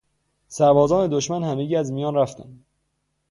سربازان دشمن همگی از میان رفتند.